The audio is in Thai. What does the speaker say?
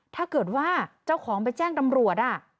ถ้าเกิดว่าเจ้าของไปแจ้งตำรวจ